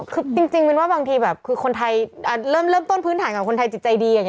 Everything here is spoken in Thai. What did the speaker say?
คือจริงว่าบางทีคุณไทยเริ่มเริ่มต้นพื้นฐานกับคุณไทยจิตใจดี